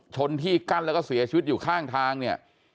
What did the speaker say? ชนที่กั้นแล้วก็เสียชีวิตอยู่ข้างทางเนี่ย